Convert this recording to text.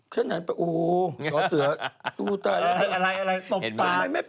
เข้าไปดูนะครับ